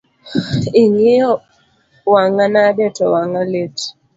Ing’iyo wang’a nade to wang'a lit?